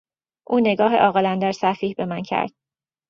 او نگاه عاقل اندر سفیه به من کرد.